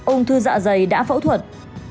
ông thư dạ dày đã phẫu thuật